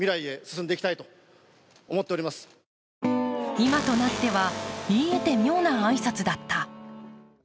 今となっては言い得て妙な挨拶だった。